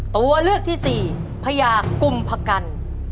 ตัวเลือกที่สี่พญากุมพกัน